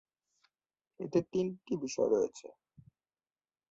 এতে তিনটি বিষয় রয়েছে।